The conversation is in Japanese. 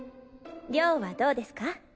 亮はどうですか？